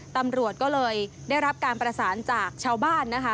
ตำรวจก็เลยได้รับการประสานจากชาวบ้านนะคะ